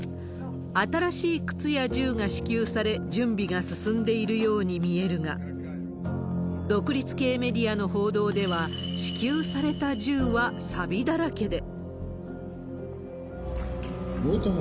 新しい靴や銃が支給され、準備が進んでいるように見えるが、独立系メディアの報道では、支給された銃はさびだらけで。